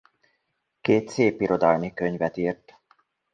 Két szépirodalmi könyvet írt.